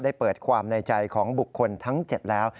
เปิดความในใจของบุคคลทั้ง๗แล้ว